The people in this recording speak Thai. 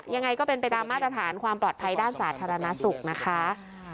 ยังไงก็เป็นไปตามมาตรฐานความปลอดภัยด้านศาสตร์ธรรมนาศุกร์นะคะ